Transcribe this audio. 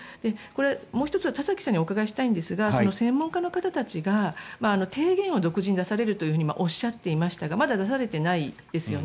もう１つは田崎さんにお伺いしたいんですが専門家の方たちが提言を独自に出されるとおっしゃっていましたがまだ出されていないですよね。